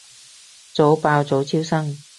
早爆早超生